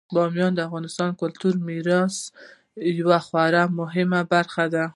بامیان د افغانستان د کلتوري میراث یوه خورا مهمه برخه ده.